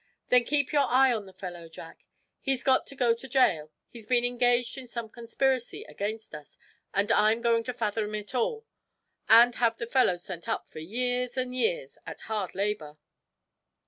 "Then keep your eye on the fellow, Jack. He's got to go to jail. He's been engaged in some conspiracy against us, and I'm going to fathom it all, and have the fellow sent up for years and years at hard labor."